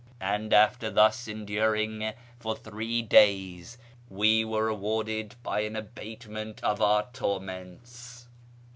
And after thus enduring for three days we were rewarded by an abatement of our torments."